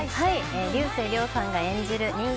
竜星涼さんが演じる人間